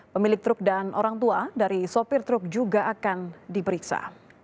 pemilik truk dan orang tua dari sopir truk juga akan diperiksa